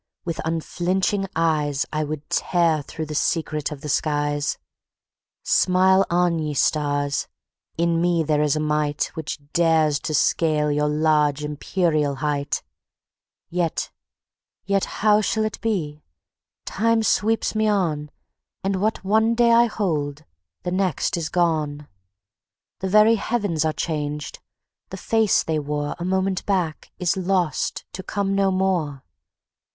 with unflinching eyesI would tear through the secret of the skies; Smile on, ye stars; in me there is a mightWhich dares to scale your large empyreal height. Yet—yet—how shall it be? Time sweeps me on, And what one day I hold, the next is gone; The very Heavens are changed! the face they wore,A moment back, is lost to come no more.